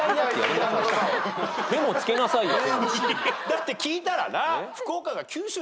だって聞いたらな。